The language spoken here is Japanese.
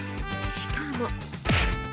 しかも。